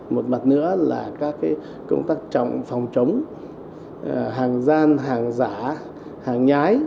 một mặt nữa là các công tác trọng phòng chống hàng gian hàng giả hàng nhái